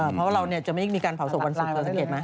เพราะว่าเราจะไม่มีการเผาศพวันศุกร์เธอสังเกตไหม